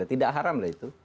tidak haramlah itu